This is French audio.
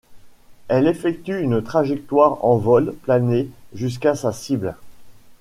Elle effectue une trajectoire en vol plané jusqu'à sa cible.